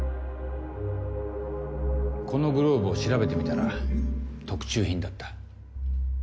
このグローブを調べてみたら特注品だった。